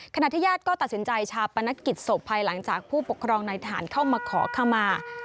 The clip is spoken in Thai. ญาติก็ตัดสินใจชาปนกิจศพภายหลังจากผู้ปกครองในฐานเข้ามาขอขมา